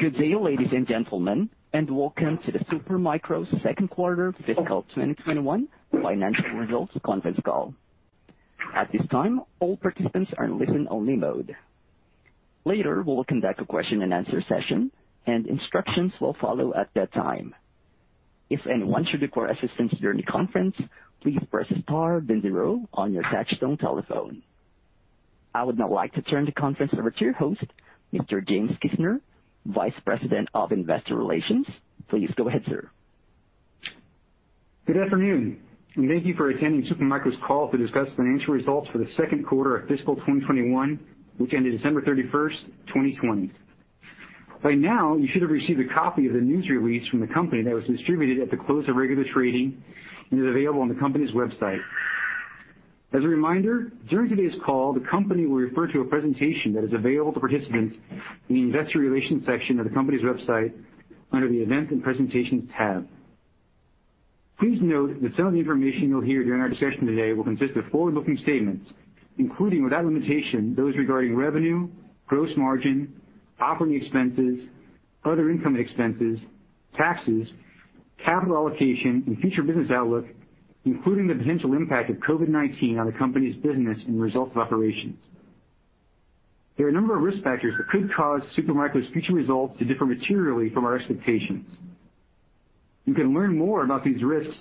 Good day, ladies and gentlemen, and welcome to the Super Micro's second quarter fiscal 2021 financial results conference call. At this time, all participants are in listen-only mode. Later, we'll conduct a question and answer session, and instructions will follow at that time. I would now like to turn the conference over to your host, Mr. James Kisner, Vice President of Investor Relations. Please go ahead, sir. Good afternoon, and thank you for attending Super Micro's call to discuss financial results for the second quarter of fiscal 2021, which ended December 31st, 2020. By now, you should have received a copy of the news release from the company that was distributed at the close of regular trading and is available on the company's website. As a reminder, during today's call, the company will refer to a presentation that is available to participants in the investor relations section of the company's website under the Events and Presentations tab. Please note that some of the information you'll hear during our discussion today will consist of forward-looking statements, including, without limitation, those regarding revenue, gross margin, operating expenses, other income expenses, taxes, capital allocation, and future business outlook, including the potential impact of COVID-19 on the company's business and results of operations. There are a number of risk factors that could cause Super Micro's future results to differ materially from our expectations. You can learn more about these risks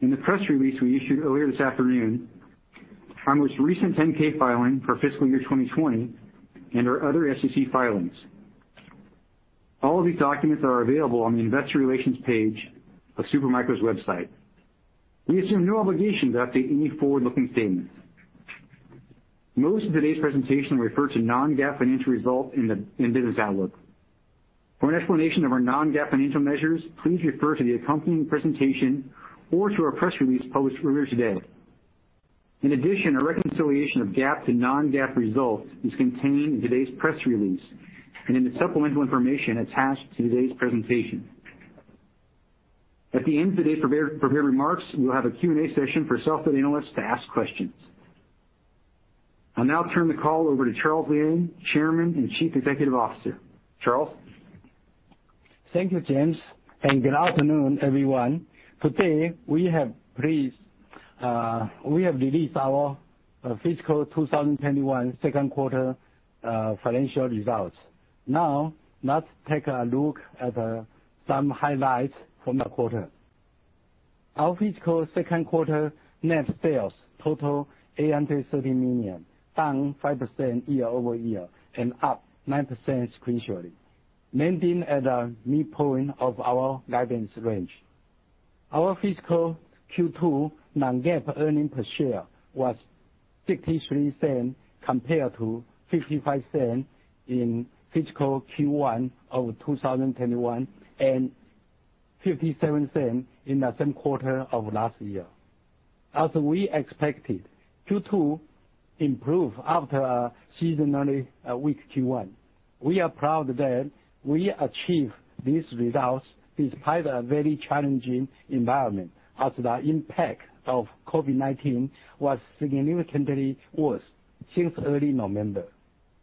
in the press release we issued earlier this afternoon, our most recent 10-K filing for fiscal year 2020, and our other SEC filings. All of these documents are available on the investor relations page of Super Micro's website. We assume no obligation to update any forward-looking statements. Most of today's presentation will refer to non-GAAP financial results and business outlook. For an explanation of our non-GAAP financial measures, please refer to the accompanying presentation or to our press release posted earlier today. In addition, a reconciliation of GAAP to non-GAAP results is contained in today's press release and in the supplemental information attached to today's presentation. At the end of today's prepared remarks, we'll have a Q&A session for selected analysts to ask questions. I'll now turn the call over to Charles Liang, Chairman and Chief Executive Officer. Charles? Thank you, James. Good afternoon, everyone. Today, we have released our fiscal 2021 second quarter financial results. Now, let's take a look at some highlights from the quarter. Our fiscal second quarter net sales total $830 million, down 5% year-over-year and up 9% sequentially, landing at the midpoint of our guidance range. Our fiscal Q2 non-GAAP earnings per share was $0.63 compared to $0.55 in fiscal Q1 of 2021 and $0.57 in the same quarter of last year. As we expected, Q2 improved after a seasonally weak Q1. We are proud that we achieved these results despite a very challenging environment, as the impact of COVID-19 was significantly worse since early November,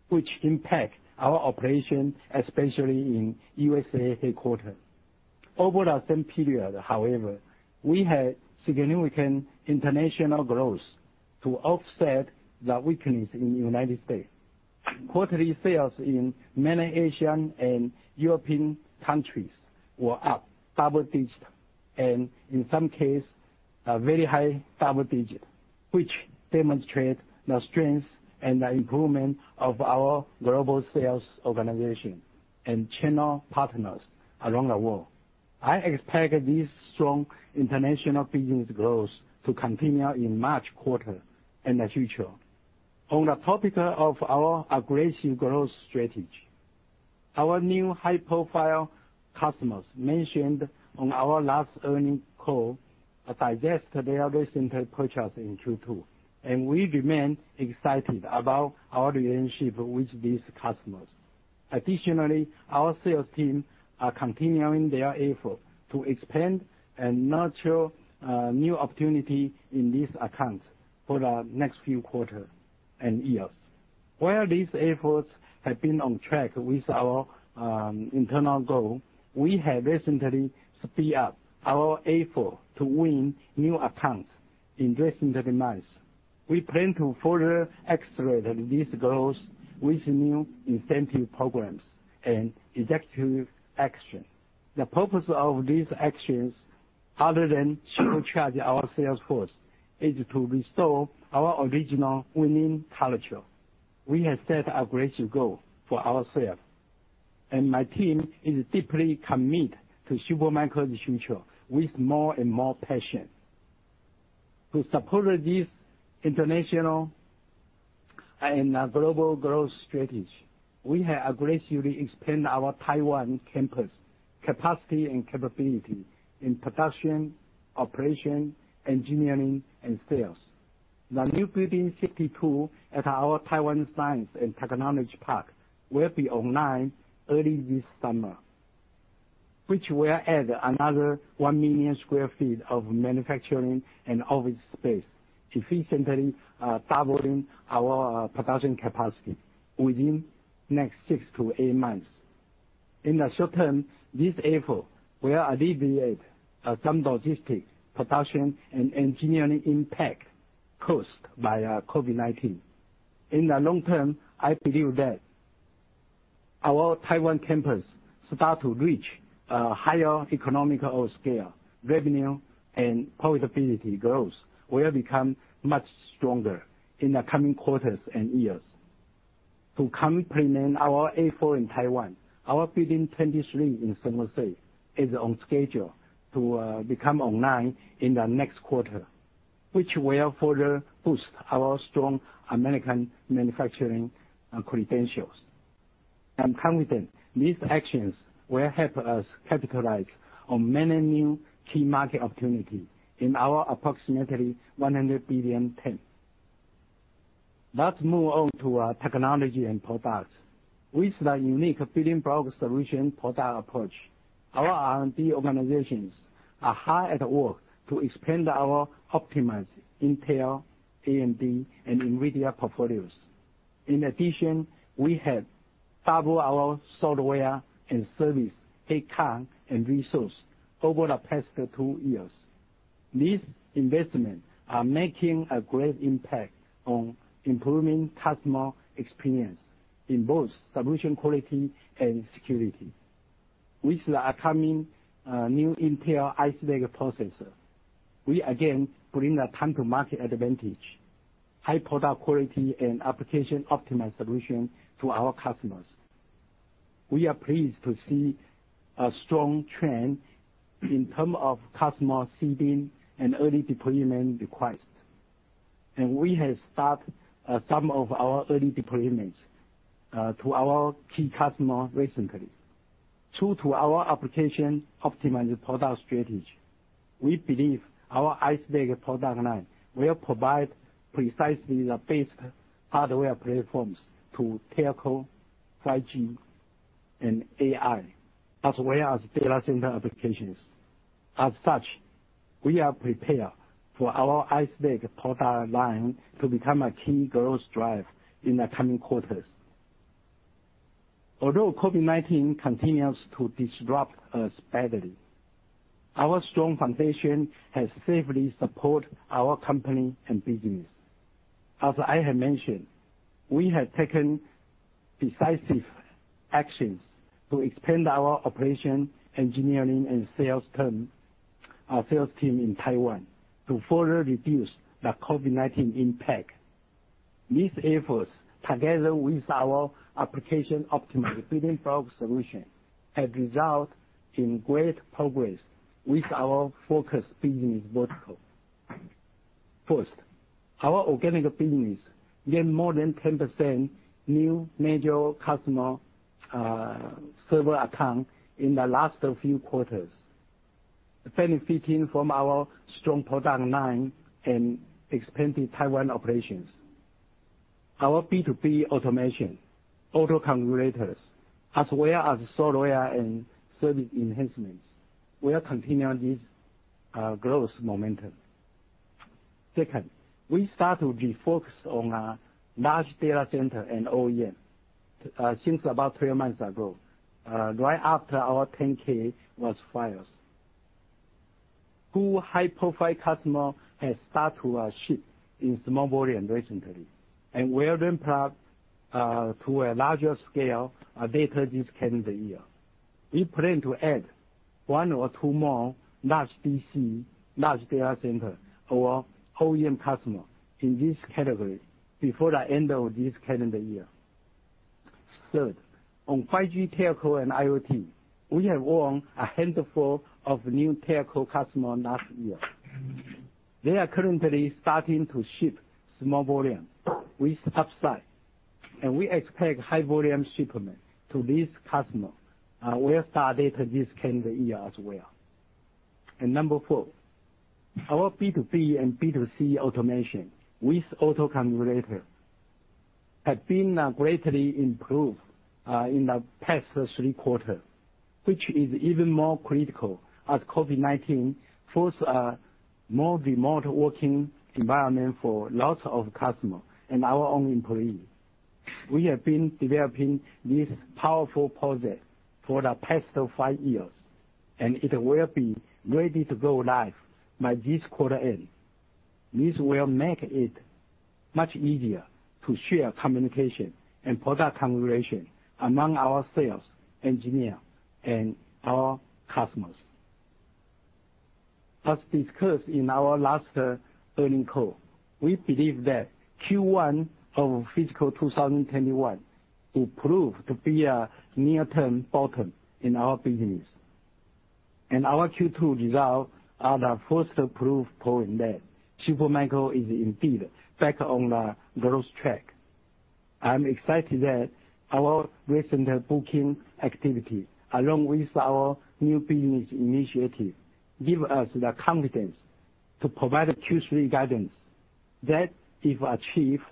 which impacted our operation, especially in U.S.A. headquarters. Over the same period, however, we had significant international growth to offset the weakness in the United States. Quarterly sales in many Asian and European countries were up double digits, and in some cases, very high double digits, which demonstrate the strength and the improvement of our global sales organization and channel partners around the world. I expect this strong international business growth to continue in March quarter in the future. On the topic of our aggressive growth strategy, our new high-profile customers mentioned on our last earnings call have digested their recent purchase in Q2, and we remain excited about our relationship with these customers. Additionally, our sales team are continuing their effort to expand and nurture new opportunities in these accounts for the next few quarters and years. While these efforts have been on track with our internal goal, we have recently sped up our effort to win new accounts in recent months. We plan to further accelerate this growth with new incentive programs and executive action. The purpose of these actions, other than supercharging our sales force, is to restore our original winning culture. We have set aggressive goals for ourselves, and my team is deeply committed to Super Micro's future with more and more passion. To support this international and global growth strategy, we have aggressively expanded our Taiwan campus capacity and capability in production, operation, engineering, and sales. The new Building 52 at our Taiwan Science and Technology Park will be online early this summer, which will add another 1 million sq ft of manufacturing and office space, efficiently doubling our production capacity within the next 6-8 months. In the short term, these efforts will alleviate some logistics, production, and engineering impact caused by COVID-19. In the long term, I believe that our Taiwan campus starts to reach a higher economic scale. Revenue and profitability growth will become much stronger in the coming quarters and years. To complement our effort in Taiwan, our Building 23 in San Jose is on schedule to become online in the next quarter, which will further boost our strong American manufacturing credentials. I'm confident these actions will help us capitalize on many new key market opportunities in our approximately $100 billion TAM. Let's move on to our technology and products. With the unique Building Block Solutions product approach, our R&D organizations are hard at work to expand our optimized Intel, AMD, and NVIDIA portfolios. In addition, we have doubled our software and service headcount and resource over the past two years. These investments are making a great impact on improving customer experience in both solution quality and security. With the upcoming new Intel Ice Lake processor, we again bring the time-to-market advantage, high product quality, and application-optimized solution to our customers. We are pleased to see a strong trend in terms of customer seeding and early deployment requests. We have started some of our early deployments to our key customers recently. True to our application-optimized product strategy, we believe our Ice Lake product line will provide precisely the best hardware platforms to telco, 5G, and AI, as well as data center applications. As such, we are prepared for our Ice Lake product line to become a key growth driver in the coming quarters. Although COVID-19 continues to disrupt us badly, our strong foundation has safely supported our company and business. As I have mentioned, we have taken decisive actions to expand our operation, engineering, and sales team in Taiwan to further reduce the COVID-19 impact. These efforts, together with our application-optimized Building Block Solutions, have resulted in great progress with our focus business vertical. First, our organic business gained more than 10% new major customer server accounts in the last few quarters, benefiting from our strong product line and expanded Taiwan operations. Our B2B automation, auto-configurators, as well as software and service enhancements will continue this growth momentum. Second, we started to be focused on large data centers and OEM since about three months ago, right after our 10-K was filed. Two high-profile customers have started to ship in small volume recently, and we are plan to ramp to a larger scale later this calendar year. We plan to add one or two more large DC, large data center, or OEM customer in this category before the end of this calendar year. Third, on 5G telco and IoT, we have won a handful of new telco customers last year. They are currently starting to ship small volumes with upside, and we expect high-volume shipments to these customers will start later this calendar year as well. Number 4, our B2B and B2C automation with auto-configurator has been greatly improved in the past three quarters, which is even more critical as COVID-19 forces a more remote working environment for lots of customers and our own employees. We have been developing this powerful project for the past five years, and it will be ready to go live by this quarter end. This will make it much easier to share communication and product configuration among our sales engineers and our customers. As discussed in our last earnings call, we believe that Q1 of fiscal 2021 will prove to be a near-term bottom in our business. Our Q2 results are the first proof point that Super Micro is indeed back on the growth track. I am excited that our recent booking activity, along with our new business initiatives, gives us the confidence to provide a Q3 guidance that, if achieved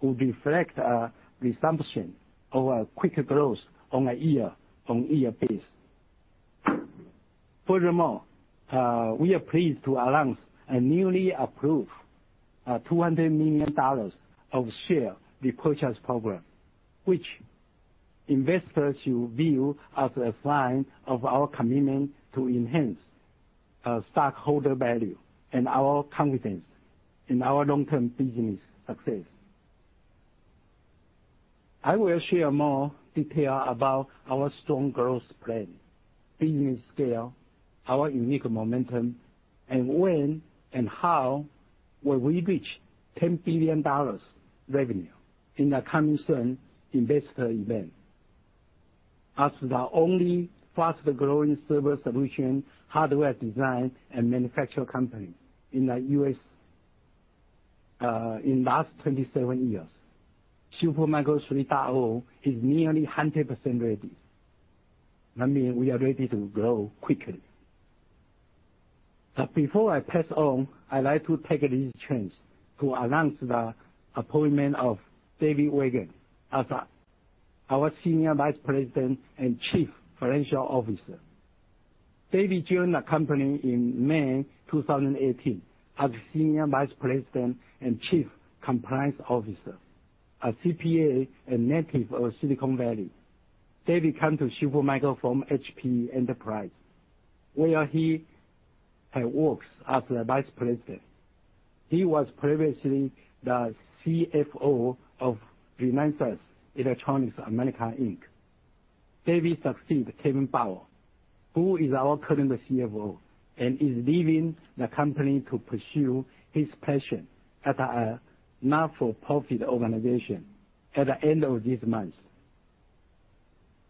will reflect a resumption of a quicker growth on a year-on-year basis. Furthermore, we are pleased to announce a newly approved $200 million of share repurchase program, which investors should view as a sign of our commitment to enhance our stockholder value and our confidence in our long-term business success. I will share more detail about our strong growth plan, business scale, our unique momentum, and when and how will we reach $10 billion revenue in the coming soon investor event. As the only fastest growing server solution, hardware design, and manufacture company in the U.S. in last 27 years, Super Micro 3.0 is nearly 100% ready. That mean we are ready to grow quickly. Before I pass on, I'd like to take this chance to announce the appointment of David Weigand as our Senior Vice President and Chief Financial Officer. David joined the company in May 2018 as Senior Vice President and Chief Compliance Officer, a CPA and native of Silicon Valley. David come to Super Micro from Hewlett Packard Enterprise, where he had worked as the vice president. He was previously the CFO of Renesas Electronics America Inc. David succeed Kevin Bauer, who is our current CFO and is leaving the company to pursue his passion at a not-for-profit organization at the end of this month.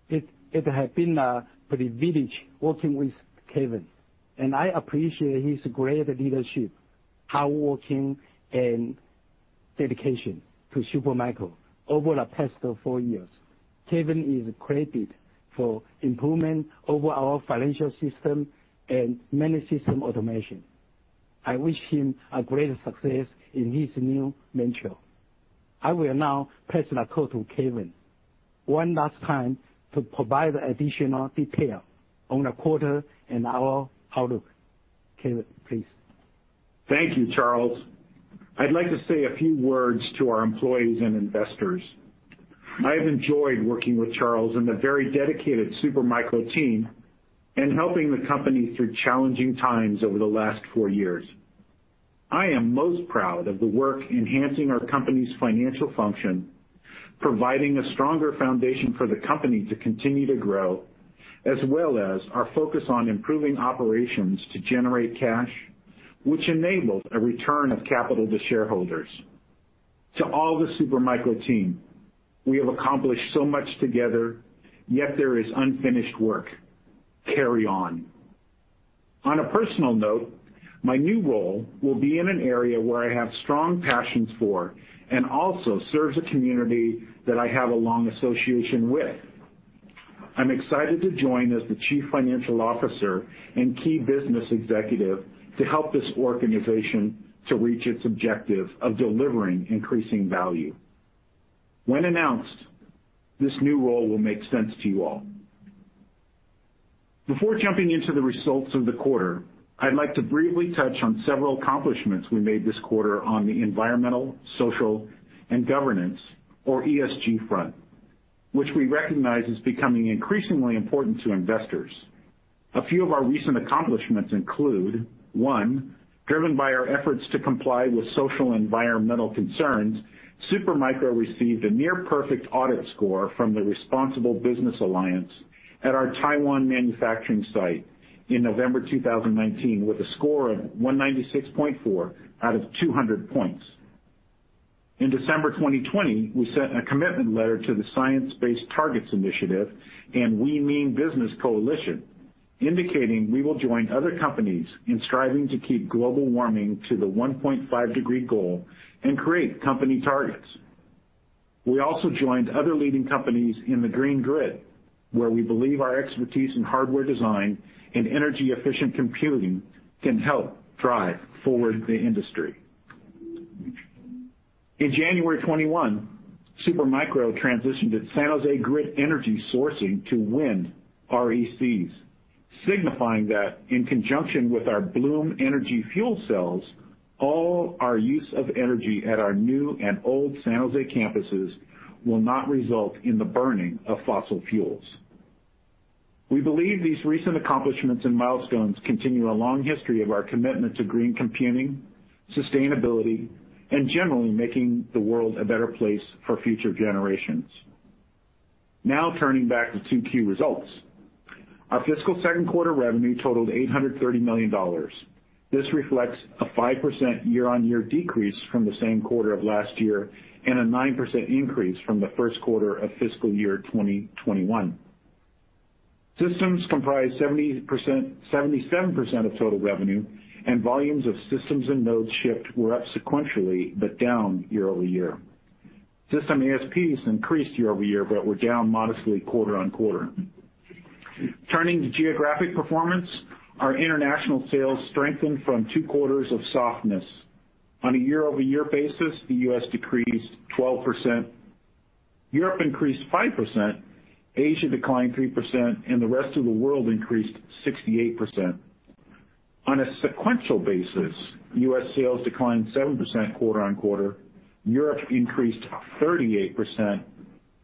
It has been a privilege working with Kevin, and I appreciate his great leadership, hard working, and dedication to Super Micro over the past four years. Kevin is credited for improvement over our financial system and many system automation. I wish him a great success in his new venture. I will now pass the call to Kevin one last time to provide additional detail on the quarter and our outlook. Kevin, please. Thank you, Charles. I'd like to say a few words to our employees and investors. I have enjoyed working with Charles and the very dedicated Super Micro team and helping the company through challenging times over the last four years. I am most proud of the work enhancing our company's financial function, providing a stronger foundation for the company to continue to grow, as well as our focus on improving operations to generate cash, which enabled a return of capital to shareholders. To all the Super Micro team, we have accomplished so much together, yet there is unfinished work. Carry on. On a personal note, my new role will be in an area where I have strong passions for and also serves a community that I have a long association with. I'm excited to join as the Chief Financial Officer and key business executive to help this organization to reach its objective of delivering increasing value. When announced, this new role will make sense to you all. Before jumping into the results of the quarter, I'd like to briefly touch on several accomplishments we made this quarter on the environmental, social, and governance or ESG front, which we recognize is becoming increasingly important to investors. A few of our recent accomplishments include, one, driven by our efforts to comply with social and environmental concerns, Super Micro received a near perfect audit score from the Responsible Business Alliance at our Taiwan manufacturing site in November 2019, with a score of 196.4 out of 200 points. In December 2020, we sent a commitment letter to the Science Based Targets initiative and We Mean Business Coalition, indicating we will join other companies in striving to keep global warming to the 1.5 degree goal and create company targets. We also joined other leading companies in The Green Grid, where we believe our expertise in hardware design and energy efficient computing can help drive forward the industry. In January 2021, Super Micro transitioned its San Jose grid energy sourcing to wind RECs, signifying that in conjunction with our Bloom Energy fuel cells, all our use of energy at our new and old San Jose campuses will not result in the burning of fossil fuels. We believe these recent accomplishments and milestones continue a long history of our commitment to green computing, sustainability, and generally making the world a better place for future generations. Turning back to 2Q results. Our fiscal second quarter revenue totaled $830 million. This reflects a 5% year-on-year decrease from the same quarter of last year, and a 9% increase from the first quarter of fiscal year 2021. Systems comprise 77% of total revenue and volumes of systems and nodes shipped were up sequentially but down year-over-year. System ASPs increased year-over-year but were down modestly quarter-on-quarter. Turning to geographic performance, our international sales strengthened from two quarters of softness. On a year-over-year basis, the US decreased 12%, Europe increased 5%, Asia declined 3%, and the rest of the world increased 68%. On a sequential basis, US sales declined 7% quarter-on-quarter, Europe increased 38%,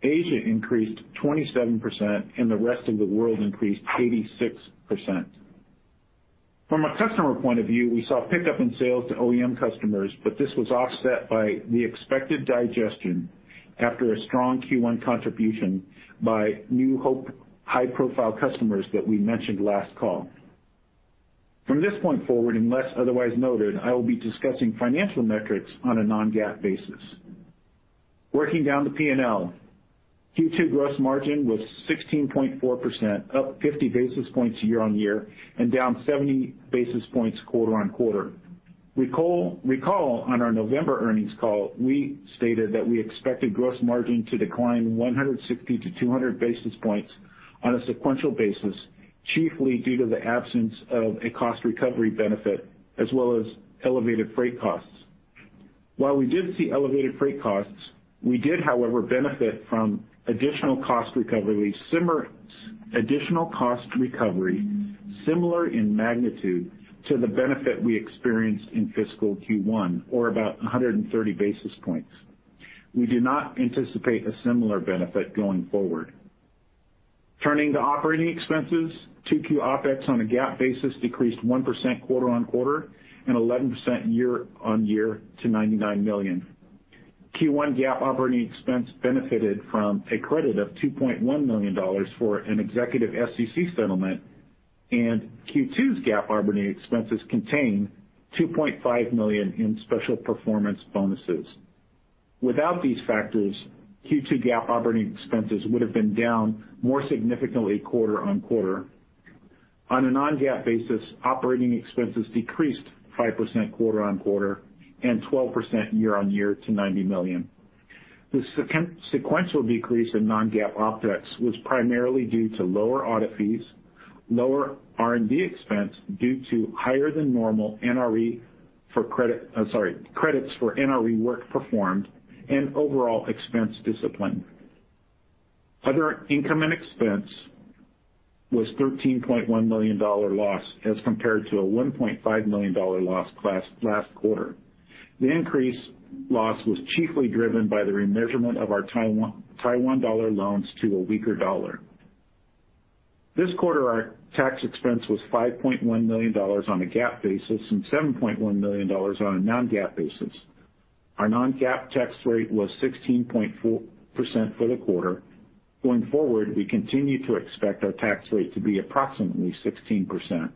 Asia increased 27%, and the rest of the world increased 86%. From a customer point of view, we saw a pickup in sales to OEM customers, but this was offset by the expected digestion after a strong Q1 contribution by new high-profile customers that we mentioned last call. From this point forward, unless otherwise noted, I will be discussing financial metrics on a non-GAAP basis. Working down the P&L, Q2 gross margin was 16.4%, up 50 basis points year-over-year and down 70 basis points quarter-on-quarter. Recall on our November earnings call, we stated that we expected gross margin to decline 160-200 basis points on a sequential basis, chiefly due to the absence of a cost recovery benefit as well as elevated freight costs. While we did see elevated freight costs, we did, however, benefit from additional cost recovery similar in magnitude to the benefit we experienced in fiscal Q1, or about 130 basis points. We do not anticipate a similar benefit going forward. Turning to operating expenses, 2Q OpEx on a GAAP basis decreased 1% quarter-on-quarter and 11% year-on-year to $99 million. Q1 GAAP operating expense benefited from a credit of $2.1 million for an executive SEC settlement, and Q2's GAAP operating expenses contained $2.5 million in special performance bonuses. Without these factors, Q2 GAAP operating expenses would have been down more significantly quarter-on-quarter. On a non-GAAP basis, operating expenses decreased 5% quarter-on-quarter and 12% year-on-year to $90 million. The sequential decrease in non-GAAP OpEx was primarily due to lower audit fees, lower R&D expense due to higher than normal credits for NRE work performed, and overall expense discipline. Other income and expense was a $13.1 million loss as compared to a $1.5 million loss last quarter. The increased loss was chiefly driven by the remeasurement of our Taiwan dollar loans to a weaker USD. This quarter, our tax expense was $5.1 million on a GAAP basis and $7.1 million on a non-GAAP basis. Our non-GAAP tax rate was 16.4% for the quarter. Going forward, we continue to expect our tax rate to be approximately 16%.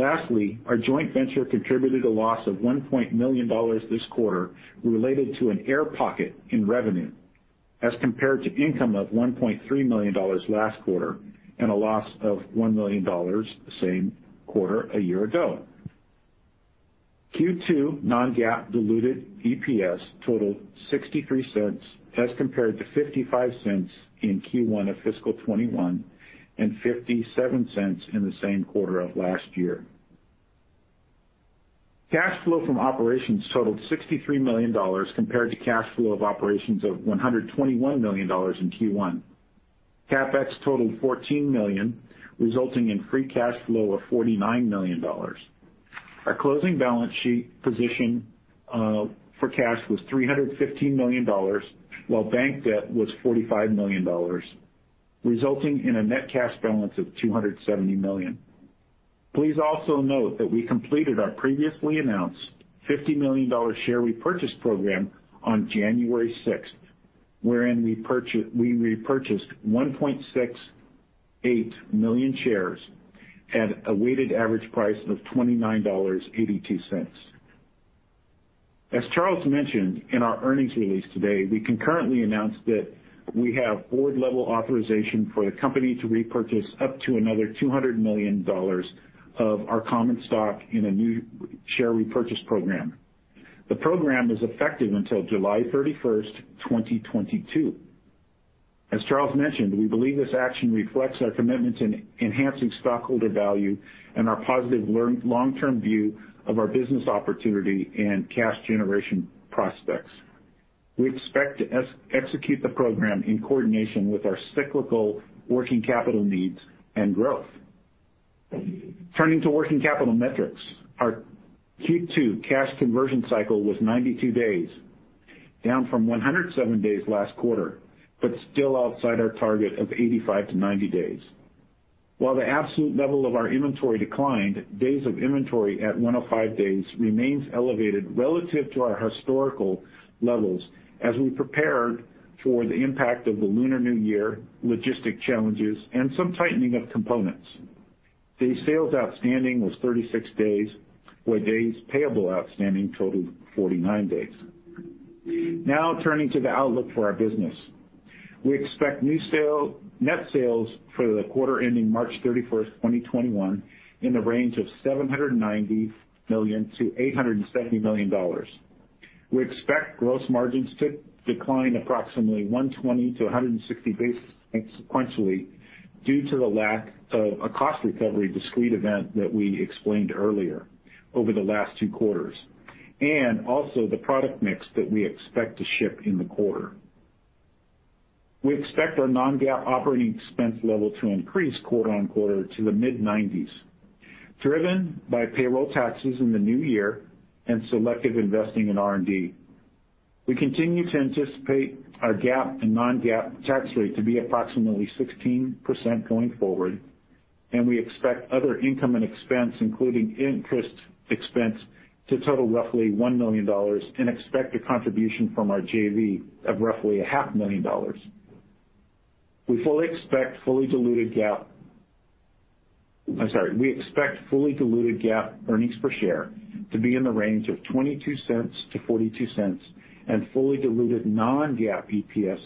Lastly, our joint venture contributed a loss of $1 million this quarter related to an air pocket in revenue as compared to income of $1.3 million last quarter and a loss of $1 million the same quarter a year ago. Q2 non-GAAP diluted EPS totaled $0.63 as compared to $0.55 in Q1 of fiscal 2021, and $0.57 in the same quarter of last year. Cash flow from operations totaled $63 million compared to cash flow of operations of $121 million in Q1. CapEx totaled $14 million, resulting in free cash flow of $49 million. Our closing balance sheet position for cash was $315 million, while bank debt was $45 million, resulting in a net cash balance of $270 million. Please also note that we completed our previously announced $50 million share repurchase program on January 6th, wherein we repurchased 1.68 million shares at a weighted average price of $29.82. As Charles mentioned in our earnings release today, we concurrently announced that we have board-level authorization for the company to repurchase up to another $200 million of our common stock in a new share repurchase program. The program is effective until July 31st, 2022. As Charles mentioned, we believe this action reflects our commitment to enhancing stockholder value and our positive long-term view of our business opportunity and cash generation prospects. We expect to execute the program in coordination with our cyclical working capital needs and growth. Turning to working capital metrics, our Q2 cash conversion cycle was 92 days, down from 107 days last quarter, but still outside our target of 85-90 days. While the absolute level of our inventory declined, days of inventory at 105 days remains elevated relative to our historical levels as we prepared for the impact of the Lunar New Year logistics challenges and some tightening of components. Days sales outstanding was 36 days, where days payable outstanding totaled 49 days. Now turning to the outlook for our business. We expect net sales for the quarter ending March 31st, 2021, in the range of $790 million to $870 million. We expect gross margins to decline approximately 120 to 160 basis points sequentially due to the lack of a cost recovery discrete event that we explained earlier over the last two quarters, and also the product mix that we expect to ship in the quarter. We expect our non-GAAP operating expense level to increase quarter-on-quarter to the mid-90s, driven by payroll taxes in the new year and selective investing in R&D. We continue to anticipate our GAAP and non-GAAP tax rate to be approximately 16% going forward, and we expect other income and expense, including interest expense, to total roughly $1 million and expect a contribution from our JV of roughly a half million dollars. We expect fully diluted GAAP earnings per share to be in the range of $0.22-$0.42 and fully diluted non-GAAP EPS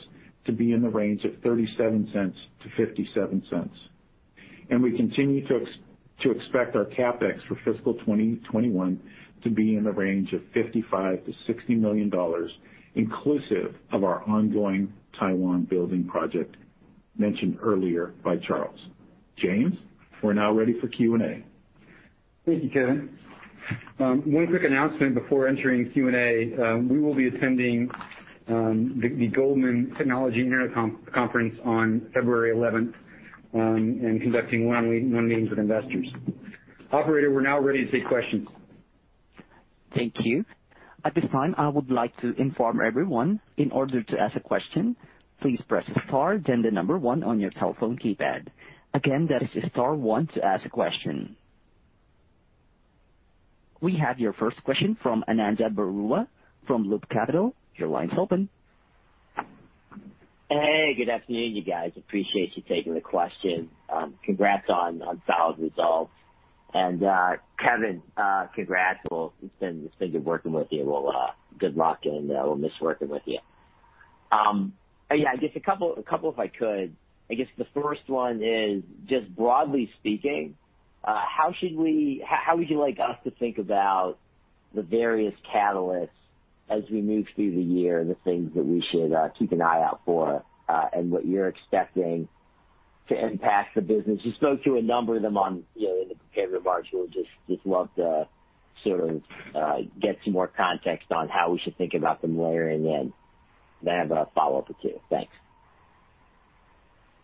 to be in the range of $0.37-$0.57. We continue to expect our CapEx for fiscal 2021 to be in the range of $55 million-$60 million, inclusive of our ongoing Taiwan building project mentioned earlier by Charles. James, we're now ready for Q&A. Thank you, Kevin. One quick announcement before entering Q&A. We will be attending the Goldman Technology and Internet Conference on February 11th and conducting one-on-one meetings with investors. Operator, we're now ready to take questions. Thank you. We have your first question from Ananda Baruah from Loop Capital. Your line's open. Hey, good afternoon, you guys. Appreciate you taking the question. Congrats on solid results. Kevin, congrats. It's been good working with you. Well, good luck, and we'll miss working with you. I guess a couple if I could. I guess the first one is, just broadly speaking, how would you like us to think about the various catalysts as we move through the year and the things that we should keep an eye out for, and what you're expecting to impact the business? You spoke to a number of them in the prepared remarks. Would just love to sort of get some more context on how we should think about them layering in. I have a follow-up or two. Thanks.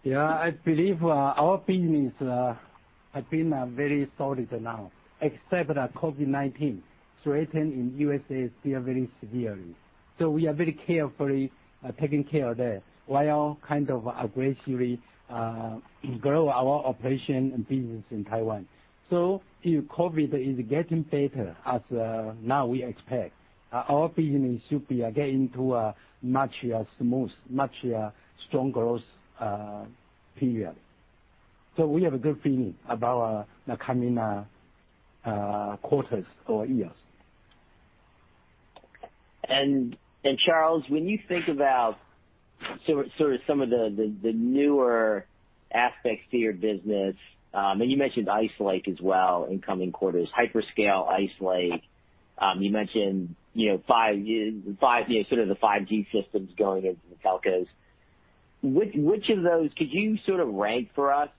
Yeah, I believe our business has been very solid now, except that COVID-19 threatened in USA still very severely. We are very carefully taking care of that while kind of aggressively grow our operation and business in Taiwan. If COVID is getting better, as now we expect, our business should be getting to a much smooth, much stronger growth period. We have a good feeling about the coming quarters or years. Charles, when you think about some of the newer aspects to your business, you mentioned Ice Lake as well in coming quarters, hyperscale Ice Lake. You mentioned the 5G systems going into the telcos. Could you rank for us,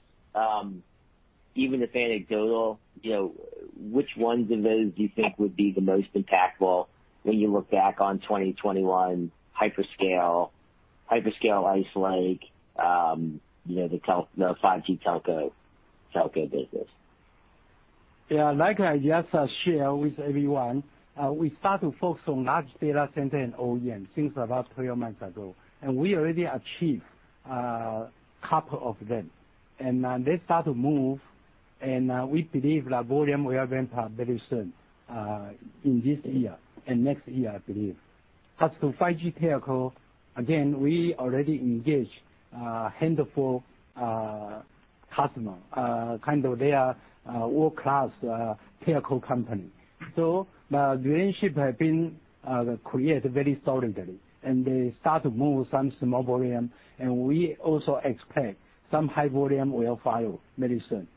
even if anecdotal, which ones of those do you think would be the most impactful when you look back on 2021, hyperscale, Ice Lake, the 5G telco business? Like I just shared with everyone, we start to focus on large data center and OEM since about 3 months ago, and we already achieved a couple of them. They start to move, and we believe the volume will ramp up very soon, in this year and next year, I believe. As to 5G telco, again, we already engaged a handful customer, kind of they are world-class telco company. The relationship have been created very solidly, and they start to move some small volume, and we also expect some high volume will follow very soon,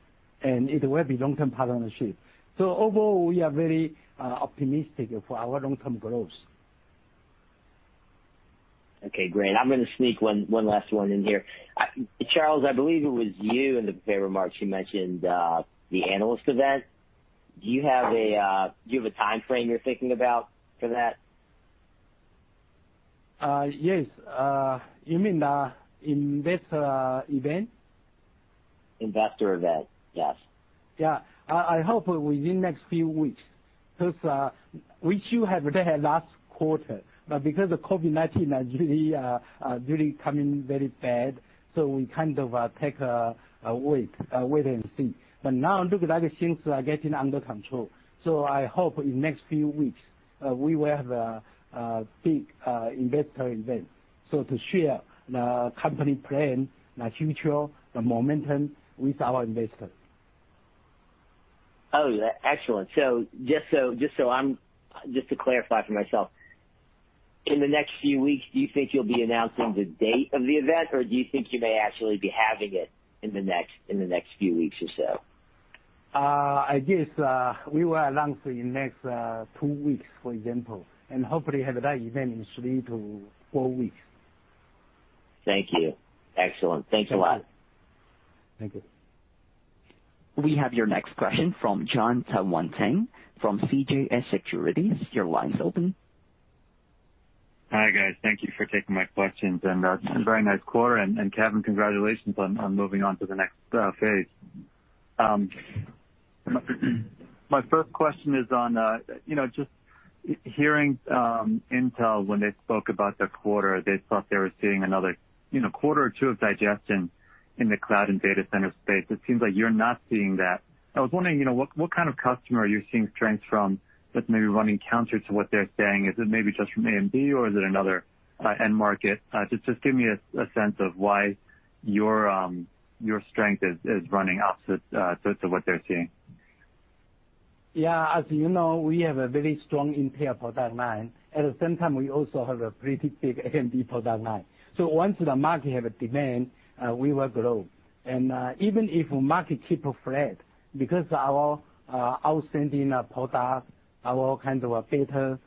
and it will be long-term partnership. Overall, we are very optimistic for our long-term growth. Okay, great. I'm going to sneak one last one in here. Charles, I believe it was you in the prepared remarks, you mentioned the analyst event. Do you have a timeframe you're thinking about for that? Yes. You mean investor event? Investor event, yes. Yeah. I hope within next few weeks. We should have had it last quarter, but because of COVID-19 really coming very bad, we kind of take a wait and see. Now looks like things are getting under control, I hope in next few weeks, we will have a big investor event to share the company plan, the future, the momentum with our investors. Oh, excellent. Just to clarify for myself, in the next few weeks, do you think you'll be announcing the date of the event, or do you think you may actually be having it in the next few weeks or so? I guess we will announce in the next two weeks, for example, and hopefully have that event in three to four weeks. Thank you. Excellent. Thanks a lot. Thank you. We have your next question from Jonathan Tanwanteng from CJS Securities. Your line's open. Hi, guys. Thank you for taking my questions and a very nice quarter. Kevin Bauer, congratulations on moving on to the next phase. My first question is on, just hearing Intel when they spoke about their quarter, they thought they were seeing another quarter or two of digestion in the cloud and data center space. It seems like you're not seeing that. I was wondering, what kind of customer are you seeing strength from that's maybe running counter to what they're saying? Is it maybe just from AMD, or is it another end market? Just give me a sense of why your strength is running opposite to what they're seeing. Yeah. As you know, we have a very strong Intel product line. At the same time, we also have a pretty big AMD product line. Once the market have a demand, we will grow. Even if market keep flat, because our outstanding product, our kinds of better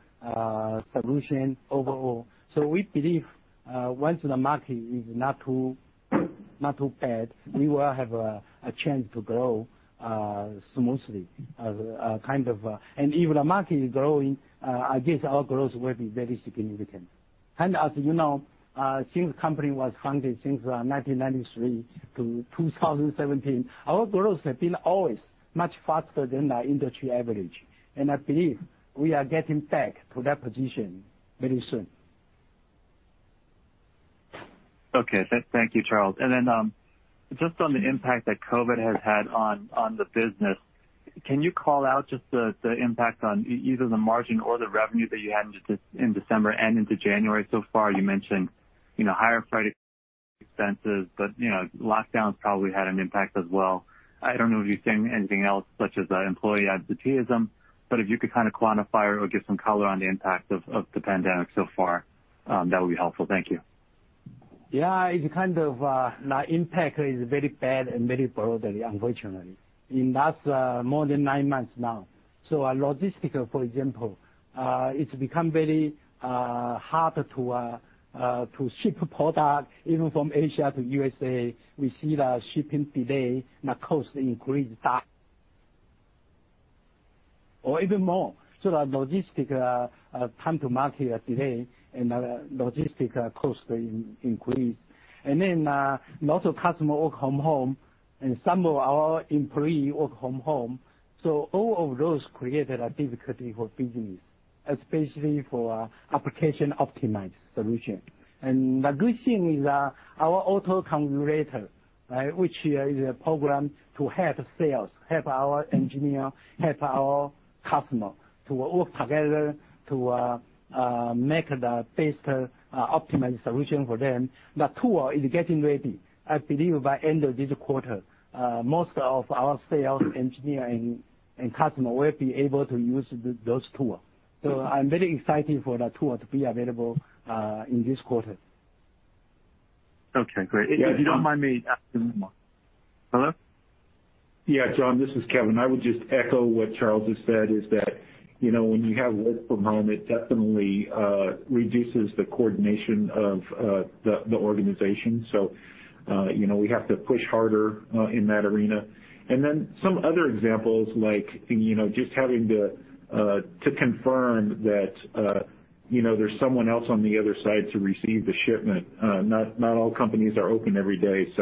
solution overall. We believe, once the market is not too bad, we will have a chance to grow smoothly. If the market is growing, I guess our growth will be very significant. As you know, since company was founded since 1993 to 2017, our growth has been always much faster than the industry average. I believe we are getting back to that position very soon. Thank you, Charles. Just on the impact that COVID has had on the business, can you call out just the impact on either the margin or the revenue that you had in December and into January so far? You mentioned higher freight expenses, lockdown's probably had an impact as well. I don't know if you've seen anything else, such as employee absenteeism, but if you could kind of quantify or give some color on the impact of the pandemic so far, that would be helpful. Thank you. Yeah. The impact is very bad and very broad, unfortunately. That's more than nine months now. Logistical, for example, it's become very hard to ship product even from Asia to U.S.A. We see the shipping delay and the cost increase double, or even more. The logistic time to market delay and the logistic cost increase. Lots of customer work from home and some of our employee work from home. All of those created a difficulty for business, especially for application optimized solution. The good thing is that our auto-configurator, which is a program to help sales, help our engineer, help our customer to work together to make the best optimized solution for them. The tool is getting ready. I believe by end of this quarter, most of our sales, engineering, and customer will be able to use those tool. I'm very excited for the tool to be available in this quarter. Okay, great. If you don't mind me asking one more. Hello? Yeah, Jonathan, this is Kevin. I would just echo what Charles has said, is that, when you have work from home, it definitely reduces the coordination of the organization. We have to push harder in that arena. Some other examples, like just having to confirm that there's someone else on the other side to receive the shipment. Not all companies are open every day.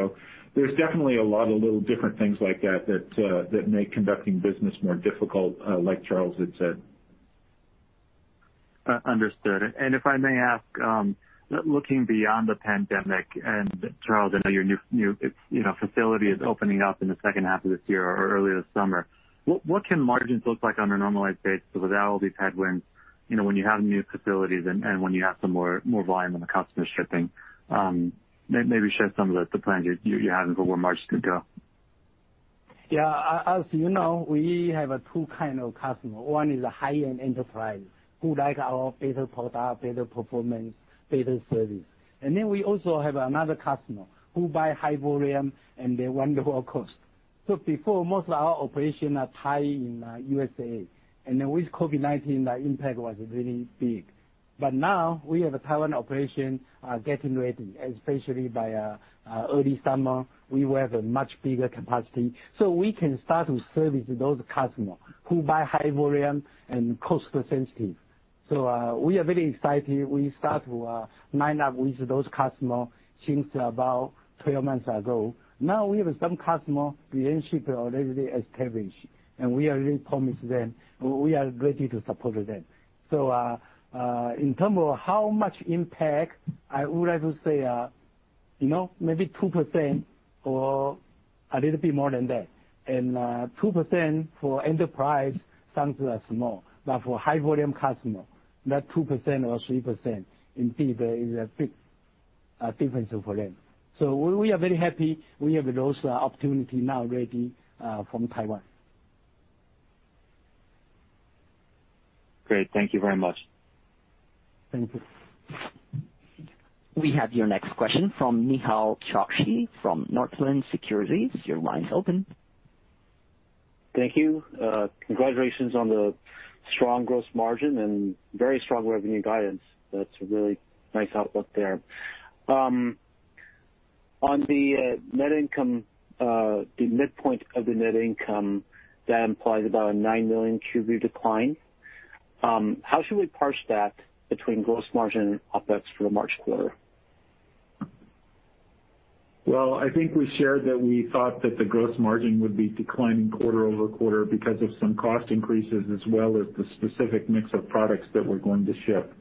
There's definitely a lot of little different things like that that make conducting business more difficult, like Charles had said. Understood. If I may ask, looking beyond the pandemic, Charles, I know your new facility is opening up in the second half of this year or early this summer. What can margins look like on a normalized basis without all these headwinds, when you have new facilities and when you have some more volume in the customer shipping? Maybe share some of the plans you have for where margins could go. Yeah. As you know, we have two kind of customer. One is a high-end enterprise who like our better product, better performance, better service. We also have another customer who buy high volume, and they want low cost. Before, most of our operation are tied in USA. With COVID-19, the impact was really big. Now we have a Taiwan operation getting ready, especially by early summer. We will have a much bigger capacity. We can start to service those customer who buy high volume and cost sensitive. We are very excited. We start to line up with those customer since about 12 months ago. Now we have some customer relationship already established, and we already promised them we are ready to support them. In term of how much impact, I would like to say, maybe 2% or a little bit more than that. 2% for enterprise sounds small, but for high volume customer, that 2% or 3%, indeed, there is a big difference for them. We are very happy we have those opportunity now ready from Taiwan. Great. Thank you very much. Thank you. We have your next question from Nehal Chokshi from Northland Securities. Your line's open. Thank you. Congratulations on the strong gross margin and very strong revenue guidance. That's a really nice outlook there. On the net income, the midpoint of the net income, that implies about a $9 million Q3 decline. How should we parse that between gross margin OpEx for the March quarter? Well, I think we shared that we thought that the gross margin would be declining quarter-over-quarter because of some cost increases, as well as the specific mix of products that we're going to ship.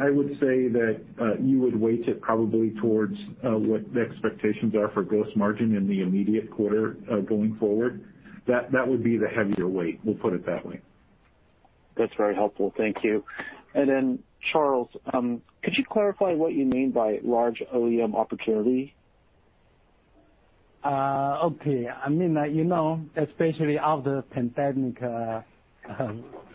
I would say that you would weight it probably towards what the expectations are for gross margin in the immediate quarter going forward. That would be the heavier weight, we'll put it that way. That's very helpful. Thank you. Charles, could you clarify what you mean by large OEM opportunity? Okay. Especially after pandemic,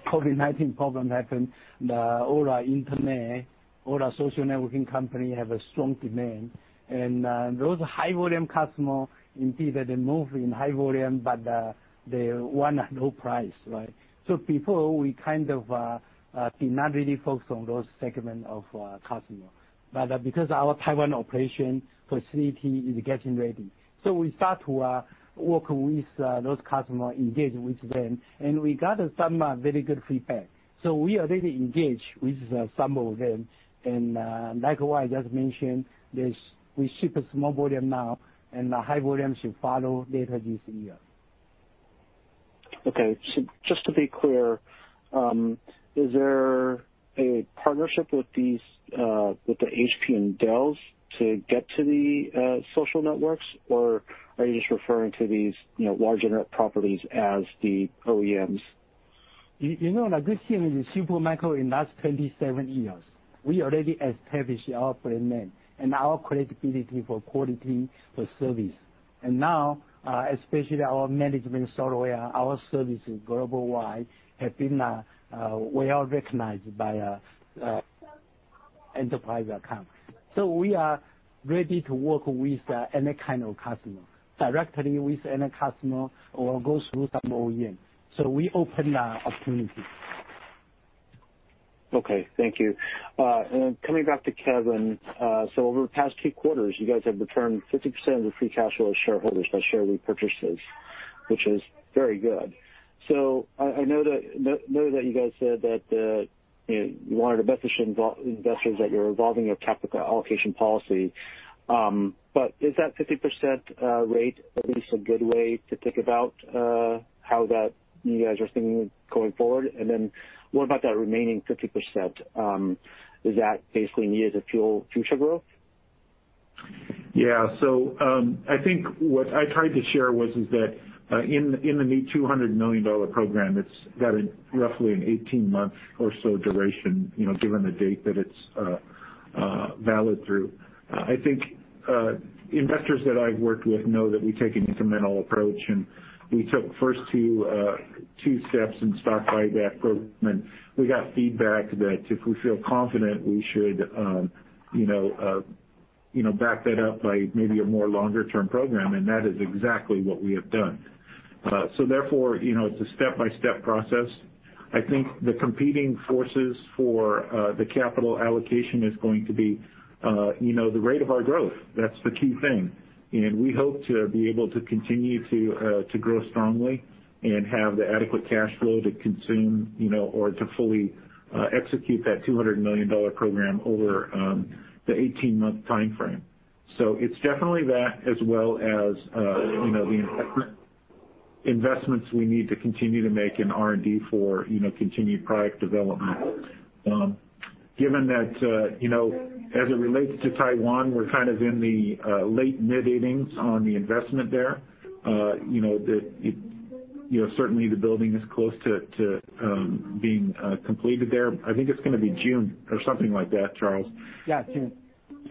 COVID-19 problem happened, all our internet, all our social networking company have a strong demand. Those high volume customer, indeed, they move in high volume, but they want a low price, right? Before, we kind of did not really focus on those segment of customer. Because our Taiwan operation facility is getting ready, so we start to work with those customer, engage with them, and we got some very good feedback. We are really engaged with some of them. Likewise, as mentioned, we ship a small volume now and the high volume should follow later this year. Okay. Just to be clear, is there a partnership with the HP and Dells to get to the social networks, or are you just referring to these large internet properties as the OEMs? You know that this thing is Super Micro in last 27 years. We already established our brand name and our credibility for quality, for service. Now, especially our management software, our services global wide have been well-recognized by enterprise account. We are ready to work with any kind of customer, directly with any customer, or go through some OEM. We open the opportunity. Okay, thank you. Coming back to Kevin. Over the past 2 quarters, you guys have returned 50% of the free cash flow to shareholders by share repurchases, which is very good. I know that you guys said that you wanted to message investors that you're evolving your capital allocation policy. Is that 50% rate at least a good way to think about how you guys are thinking going forward? What about that remaining 50%? Is that basically needed to fuel future growth? I think what I tried to share was that in the $200 million program, it's got roughly an 18-month or so duration, given the date that it's valid through. I think investors that I've worked with know that we take an incremental approach, and we took first two steps in stock buyback program, and we got feedback that if we feel confident, we should back that up by maybe a more longer-term program, and that is exactly what we have done. Therefore, it's a step-by-step process. I think the competing forces for the capital allocation is going to be the rate of our growth. That's the key thing. We hope to be able to continue to grow strongly and have the adequate cash flow to consume or to fully execute that $200 million program over the 18-month time frame. It's definitely that, as well as the investment we need to continue to make in R&D for continued product development. Given that as it relates to Taiwan, we're kind of in the late mid innings on the investment there. Certainly, the building is close to being completed there. I think it's going to be June or something like that, Charles. Yeah, June.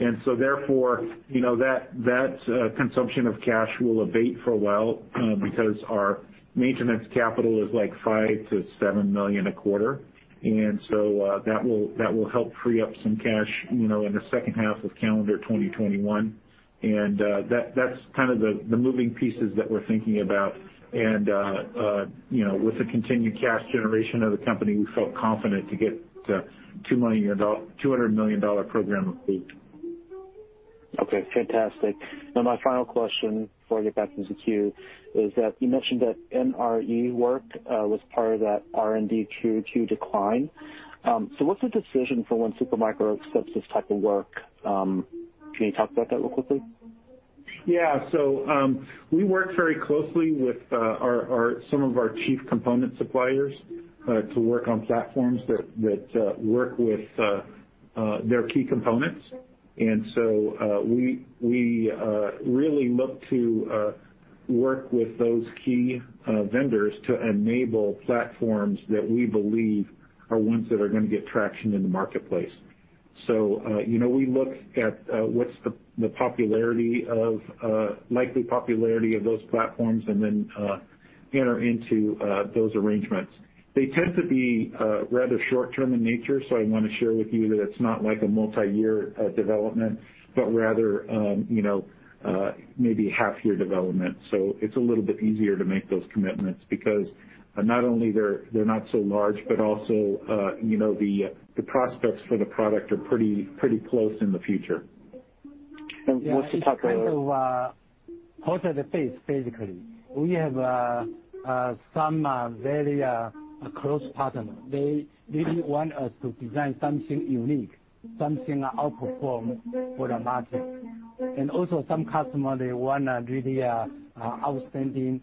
Therefore, that consumption of cash will abate for a while because our maintenance capital is like $5 million-$7 million a quarter. That will help free up some cash in the second half of calendar 2021. That's kind of the moving pieces that we're thinking about. With the continued cash generation of the company, we felt confident to get $200 million program approved. Okay, fantastic. My final question before I get back into queue is that you mentioned that NRE work was part of that R&D Q2 decline. What's the decision for when Super Micro accepts this type of work? Can you talk about that real quickly? Yeah. We work very closely with some of our chief component suppliers to work on platforms that work with their key components. We really look to work with those key vendors to enable platforms that we believe are ones that are going to get traction in the marketplace. We look at what's the likely popularity of those platforms, and then enter into those arrangements. They tend to be rather short-term in nature. I want to share with you that it's not like a multi-year development, but rather, maybe half year development. It's a little bit easier to make those commitments, because not only they're not so large, but also the prospects for the product are pretty close in the future. And what's the type of- It's kind of part of the business, basically. We have some very close partner. They really want us to design something unique, something outperform for the market. Also some customer, they want really outstanding,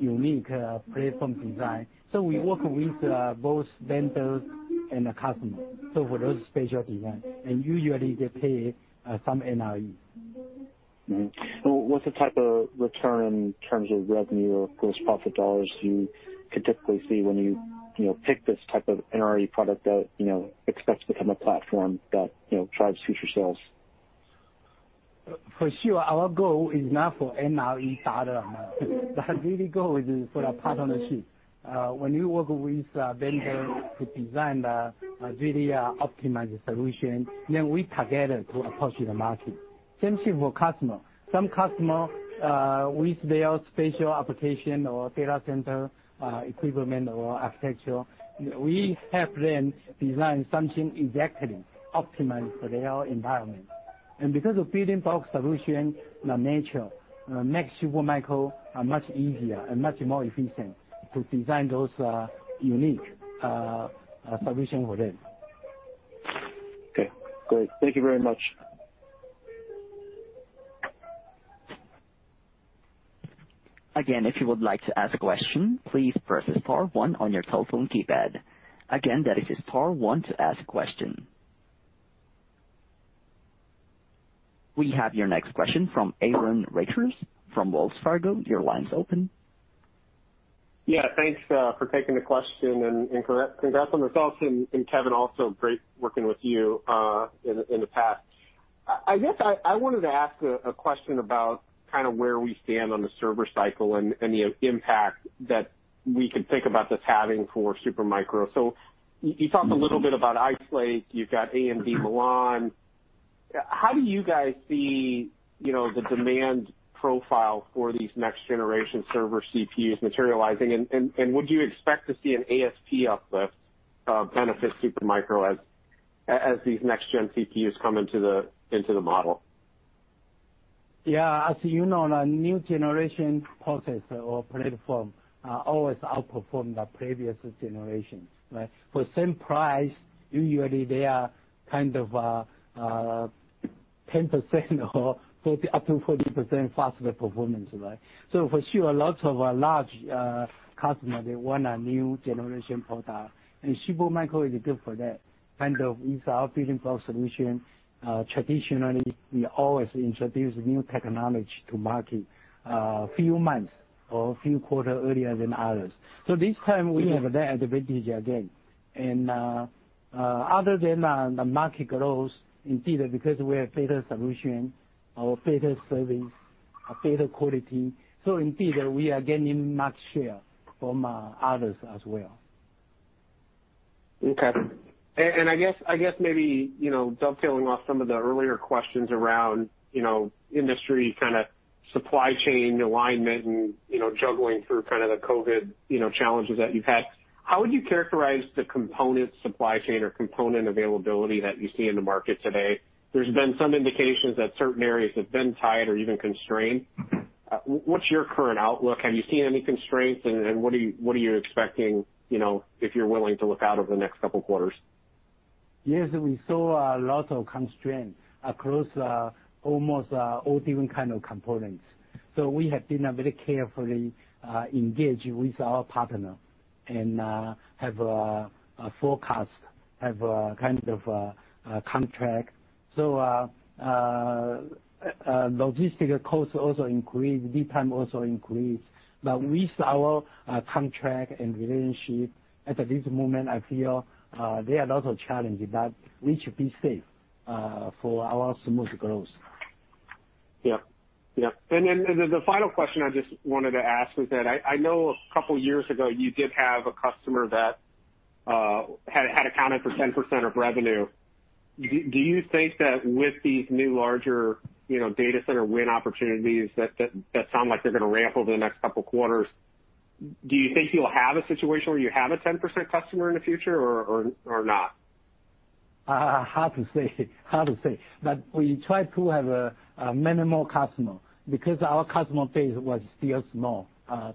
unique platform design. We work with both vendors and the customer. For those special design, usually they pay some NRE. Mm-hmm. What's the type of return in terms of revenue or gross profit dollars you could typically see when you pick this type of NRE product that expects to become a platform that drives future sales? For sure, our goal is not for NRE $ amount. The really goal is for the partnership. When we work with vendor to design the really optimized solution, we together to approach the market. Same thing for customer. Some customer, with their special application or data center, equipment or architecture, we help them design something exactly optimized for their environment. Because of Building Block Solutions nature, makes Super Micro much easier and much more efficient to design those unique solution for them. Okay, great. Thank you very much. Again, if you would like to ask a question, please press star one on your telephone keypad. Again, that is star one to ask a question. We have your next question from Aaron Rakers from Wells Fargo. Your line's open. Yeah, thanks for taking the question, and congrats on the results. Kevin, also, great working with you in the past. I guess I wanted to ask a question about where we stand on the server cycle and the impact that we could think about this having for Super Micro. You talked a little bit about Ice Lake. You've got AMD Milan. How do you guys see the demand profile for these next generation server CPUs materializing, and would you expect to see an ASP uplift benefit Super Micro as these next gen CPUs come into the model? Yeah. As you know, the new generation processor or platform always outperformed the previous generation, right. For the same price, usually they are kind of 10% or up to 40% faster performance, right. For sure, lots of large customer, they want a new generation product, and Super Micro is good for that. With our Building Block Solutions, traditionally, we always introduce new technology to market few months or few quarter earlier than others. This time we have that advantage again. Other than the market growth, indeed because we have better solution or better service or better quality, so indeed, we are gaining much share from others as well. Okay. I guess, maybe, dovetailing off some of the earlier questions around industry supply chain alignment and juggling through the COVID challenges that you've had, how would you characterize the component supply chain or component availability that you see in the market today? There's been some indications that certain areas have been tight or even constrained. What's your current outlook? Have you seen any constraints, and what are you expecting, if you're willing to look out over the next couple of quarters? Yes, we saw a lot of constraint across almost all different kind of components. We have been very carefully engaged with our partner and have a forecast, have a kind of a contract. Logistic cost also increased, lead time also increased. With our contract and relationship, at this moment, I feel there are a lot of challenges, but we should be safe for our smooth growth. Yep. Then the final question I just wanted to ask was that I know a couple of years ago, you did have a customer that had accounted for 10% of revenue. Do you think that with these new larger data center win opportunities that sound like they're going to ramp over the next couple of quarters, do you think you'll have a situation where you have a 10% customer in the future or not? Hard to say. We try to have many more customer because our customer base was still small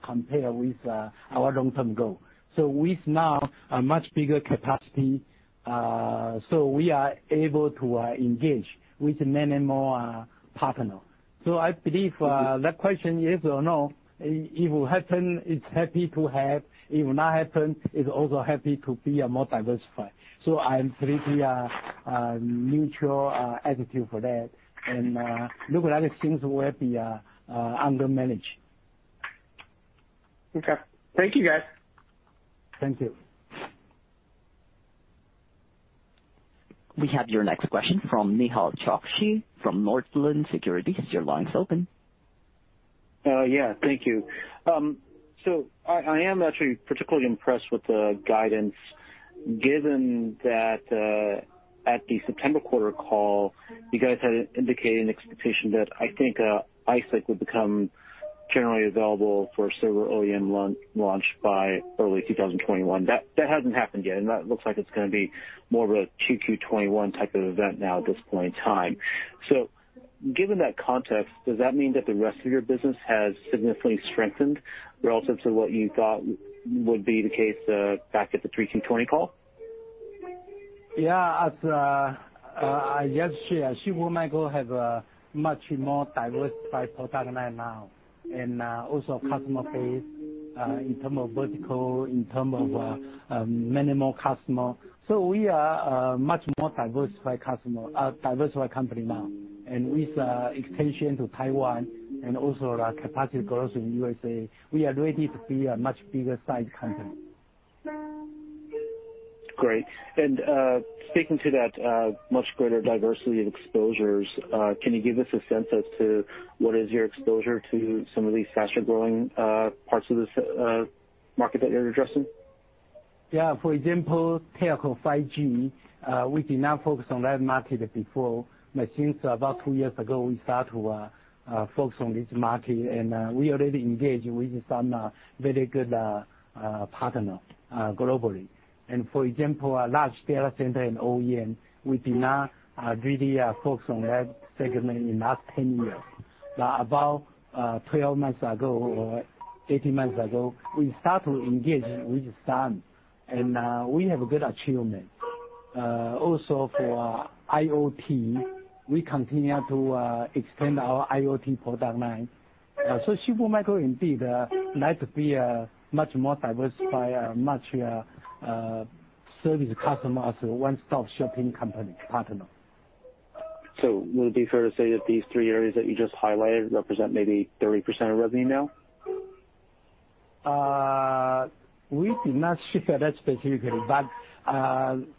compared with our long-term goal. With now a much bigger capacity, so we are able to engage with many more partner. I believe that question, yes or no, if it happen, it's happy to have. It will not happen, it's also happy to be more diversified. I am pretty neutral attitude for that. Look like things will be under manage. Okay. Thank you, guys. Thank you. We have your next question from Nehal Chokshi from Northland Securities. Your line is open. Yeah. Thank you. I am actually particularly impressed with the guidance given that at the September quarter call, you guys had indicated an expectation that, I think, Ice Lake would become generally available for server OEM launch by early 2021. That hasn't happened yet, and that looks like it's going to be more of a Q2 '21 type of event now at this point in time. Given that context, does that mean that the rest of your business has significantly strengthened relative to what you thought would be the case back at the 3Q '20 call? As I just shared, Super Micro has a much more diversified product line now, and also customer base, in terms of vertical, in terms of many more customers. We are a much more diversified company now. With expansion to Taiwan and also our capacity growth in U.S.A., we are ready to be a much bigger size company. Great. Speaking to that much greater diversity in exposures, can you give us a sense as to what is your exposure to some of these faster-growing parts of this market that you're addressing? Yeah, for example, telecom 5G, we did not focus on that market before, but since about two years ago, we start to focus on this market. We already engaged with some very good partner globally. For example, large data center and OEM, we did not really focus on that segment in last 10 years. About 12 months ago, or 18 months ago, we start to engage with some. We have good achievement. Also, for IoT, we continue to extend our IoT product line. Super Micro indeed like to be a much more diversified, much service customer as a one-stop shopping company partner. Would it be fair to say that these three areas that you just highlighted represent maybe 30% of revenue now? We did not share that specifically, but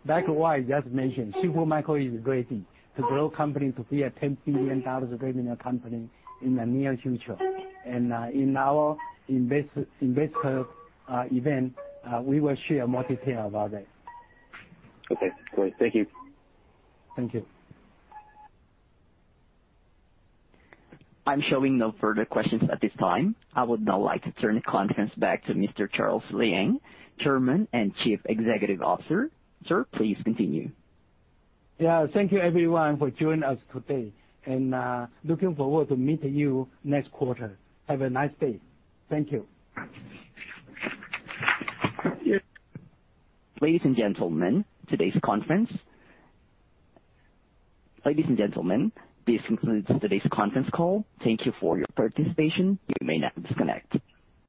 back to what I just mentioned, Super Micro is ready to grow company to be a $10 billion revenue company in the near future. In our investor event, we will share more detail about that. Okay, great. Thank you. Thank you. I'm showing no further questions at this time. I would now like to turn the conference back to Mr. Charles Liang, Chairman and Chief Executive Officer. Sir, please continue. Yeah. Thank you everyone for joining us today. Looking forward to meeting you next quarter. Have a nice day. Thank you. Ladies and gentlemen, this concludes today's conference call. Thank you for your participation. You may now disconnect.